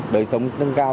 đời sống tăng cao